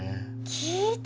聞いた？